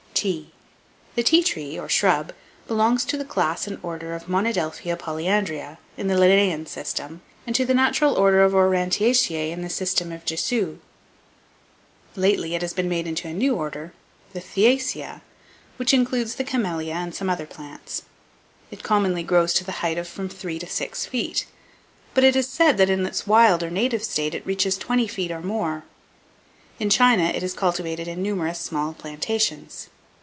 TEA. The tea tree or shrub belongs to the class and order of Monadelphia polyandria in the Linnaean system, and to the natural order of Aurantiaceae in the system of Jussieu. Lately it has been made into a new order, the Theasia, which includes the Camellia and some other plants. It commonly grows to the height of from three to six feet; but it is said, that, in its wild or native state, it reaches twenty feet or more. In China it is cultivated in numerous small plantations.